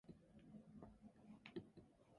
The second book is on astronomy.